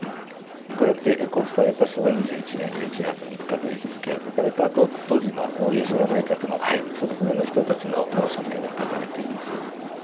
こうやって公布された昭和２１年１１月３日という日付が書かれたあと当時の吉田内閣のそれぞれの人たちの署名が書かれています。